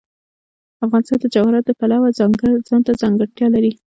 افغانستان د جواهرات د پلوه ځانته ځانګړتیا لري.